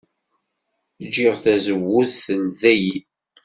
Jjiɣ tazewwut teldey.